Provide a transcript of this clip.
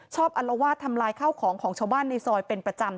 อัลวาดทำลายข้าวของของชาวบ้านในซอยเป็นประจำ